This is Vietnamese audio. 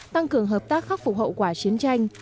tăng cường hợp tác khắc phục hậu quả chiến tranh